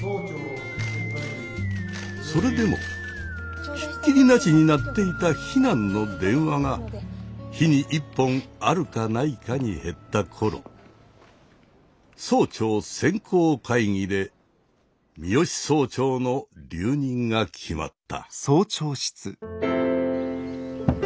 それでもひっきりなしに鳴っていた非難の電話が日に１本あるかないかに減った頃総長選考会議で三芳総長の留任が決まった。